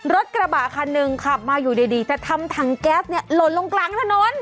รถกระบะคันหนึ่งค่ะมาอยู่ดีแต่ทำถังแก๊สลดลงกลางถนน